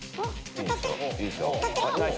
当たってる。